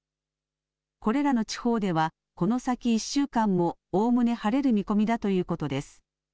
これらの地方ではこの先１週間もおおむね晴れる見込みだということです。